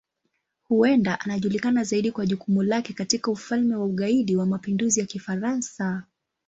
Huenda anajulikana zaidi kwa jukumu lake katika Ufalme wa Ugaidi wa Mapinduzi ya Kifaransa.